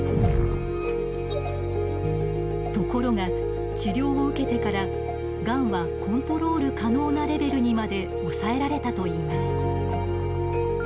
ところが治療を受けてからがんはコントロール可能なレベルにまで抑えられたといいます。